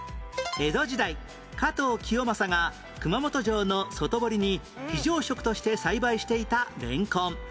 江戸時代加藤清正が熊本城の外堀に非常食として栽培していた蓮根